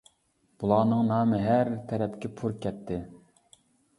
بۇلارنىڭ نامى ھەر تەرەپكە پۇر كەتتى.